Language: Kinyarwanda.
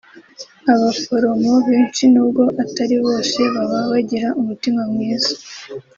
Abaforomo benshi nubwo atari bose baba bagira umutima mwiza